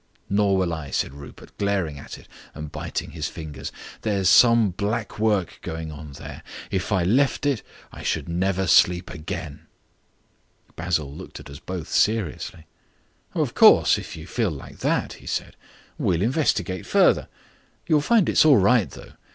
"Nor will I," said Rupert, glaring at it and biting his fingers. "There's some black work going on there. If I left it I should never sleep again." Basil Grant looked at us both seriously. "Of course if you feel like that," he said, "we'll investigate further. You'll find it's all right, though.